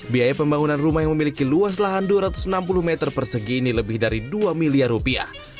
biaya pembangunan rumah yang memiliki luas lahan dua ratus enam puluh meter persegi ini lebih dari dua miliar rupiah